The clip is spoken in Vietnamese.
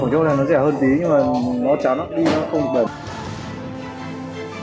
nói chung là hàng quảng châu này nó rẻ hơn tí nhưng mà nó chán lắm đi nó không bẩn